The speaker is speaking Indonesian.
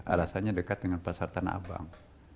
alasannya dekat dengan pasar tanah abang